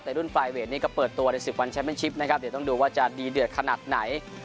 แต่รุ่นไฟเวทนี่ก็เปิดตัวใน๑๐วันแชมเป็นชิปนะครับเดี๋ยวต้องดูว่าจะดีเดือดขนาดไหน